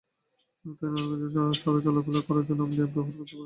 তাই নারায়ণগঞ্জ শহরে চলাফেরা করার জন্য আপনি ব্যবহার করতে পারেন হেলিকপ্টার।